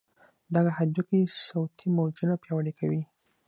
دغه هډوکي صوتي موجونه پیاوړي کوي.